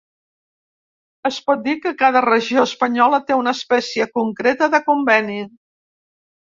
Es pot dir que cada regió espanyola té una espècie concreta de conveni.